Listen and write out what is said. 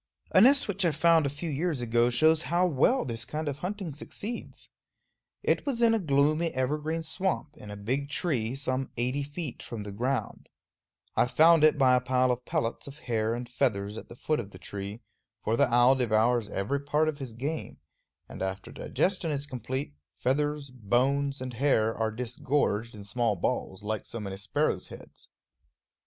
A nest which I found a few years ago shows how well this kind of hunting succeeds. It was in a gloomy evergreen swamp, in a big tree, some eighty feet from the ground. I found it by a pile of pellets of hair and feathers at the foot of the tree; for the owl devours every part of his game, and after digestion is complete, feathers, bones, and hair are disgorged in small balls, like so many sparrow heads.